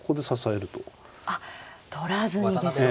あっ取らずにですね。